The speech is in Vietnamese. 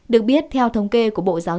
được biết theo thông kê của bộ giáo dịch